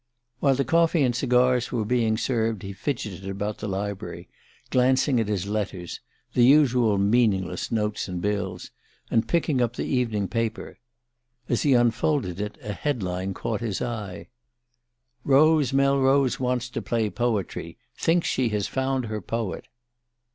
While the coffee and cigars were being served he fidgeted about the library, glancing at his letters the usual meaningless notes and bills and picking up the evening paper. As he unfolded it a headline caught his eye. "ROSE MELROSE WANTS TO PLAY POETRY. "THINKS SHE HAS FOUND HER POET."